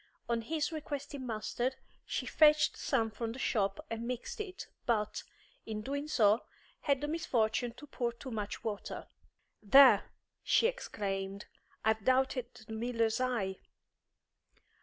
On his requesting mustard, she fetched some from the shop and mixed it, but, in doing so, had the misfortune to pour too much water. "There!" she exclaimed; "I've doubted the miller's eye."